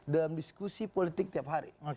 dalam diskusi politik tiap hari